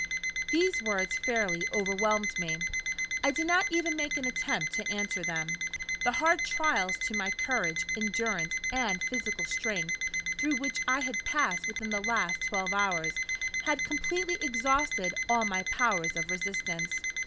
These words fairly overwhelmed me. I did not even make an attempt to answer them. The hard trials to my courage, endurance, and physical strength, through which I had passed within the last twelve hours, had completely exhausted all my powers of resistance.